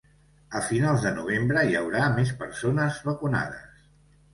A finals de novembre hi haurà més persones vacunades.